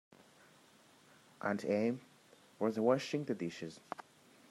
Aunt Em was washing the dishes.